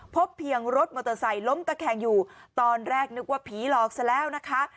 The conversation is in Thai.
พบเพียงรถมอเตอร์ไซค์ล้มตะแคงอยู่ตอนแรกนึกว่าผีหลอกซะแล้วนะคะ